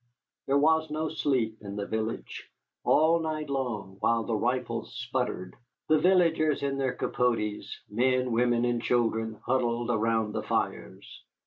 There was no sleep in the village. All night long, while the rifles sputtered, the villagers in their capotes men, women, and children huddled around the fires.